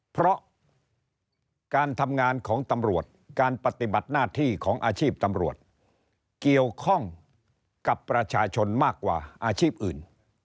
เพราะการทำงานของตำรวจการปฏิบัติหน้าที่ของอาชีพตำรวจเกี่ยวข้องกับประชาชนมากกว่าอาชีพอื่น